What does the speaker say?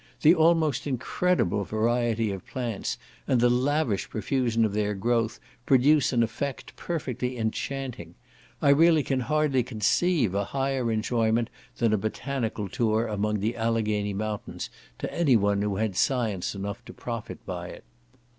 The almost incredible variety of plants, and the lavish profusion of their growth, produce an effect perfectly enchanting. I really can hardly conceive a higher enjoyment than a botanical tour among the Alleghany mountains, to any one who had science enough to profit by it.